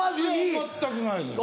全くないです。